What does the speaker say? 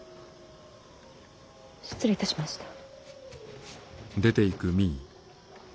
失礼いたしました。